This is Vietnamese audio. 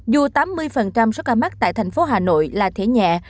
dù tám mươi số ca mắc tại thành phố hà nội là thế nhẹ